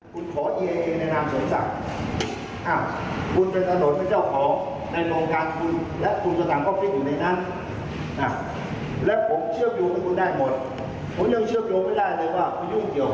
การที่นายเศรษฐาถอนตัวจากการเป็นแคนดิเดตนายกรัฐมนตรีครับ